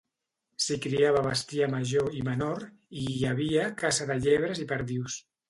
S'hi criava bestiar major i menor, i hi havia caça de llebres i perdius.